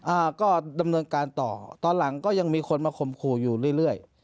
อ่าก็ดำเนินการต่อตอนหลังก็ยังมีคนมาข่มขู่อยู่เรื่อยเรื่อย